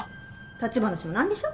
立ち話もなんでしょ？